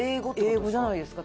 英語じゃないですか？